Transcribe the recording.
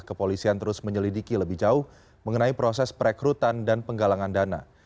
kepolisian terus menyelidiki lebih jauh mengenai proses perekrutan dan penggalangan dana